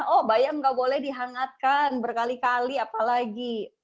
oh bayam gak boleh dihangatkan berkali kali apalagi